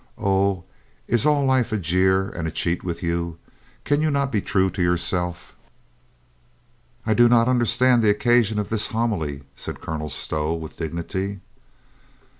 "Oh, Is all life a jeer and a cheat with you? Can you not be true to yourself?" "I do not understand the occasion of this homily," said Colonel Stow with dignity.